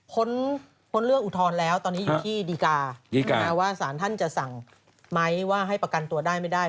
พ้นเรื่องอุทธรณ์แล้วตอนนี้อยู่ที่ดีกาว่าสารท่านจะสั่งไหมว่าให้ประกันตัวได้ไม่ได้